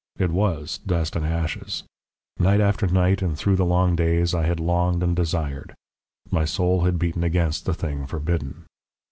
It WAS dust and ashes. Night after night and through the long days I had longed and desired my soul had beaten against the thing forbidden!